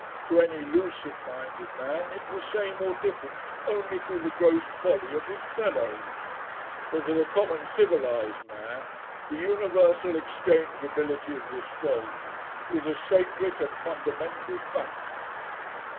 To any lucid minded man it's the same or different only through the gross folly of his fellows. But to the common civilised man the universal exchangeability of this gold is a sacred and fundamental fact.